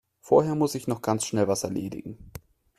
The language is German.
Vorher muss ich noch ganz schnell was erledigen.